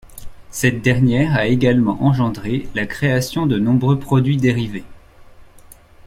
Cette dernière a également engendré la création de nombreux produits dérivés.